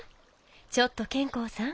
ちょっと兼好さん。